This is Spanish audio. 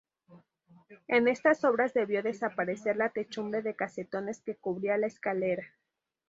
En estas obras debió desaparecer la techumbre de casetones que cubría la escalera.